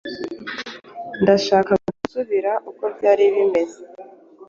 Ndashaka gusubira uko byari bimeze.